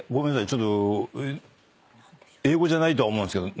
ちょっと英語じゃないとは思うんですけど。